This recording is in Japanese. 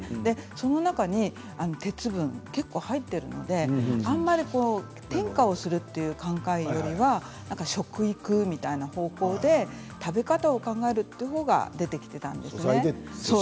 その中に鉄分が結構、入っているのであまり添加をするという考えよりは食育みたいな方向で食べ方を考えるというほうが出てきていたんですね。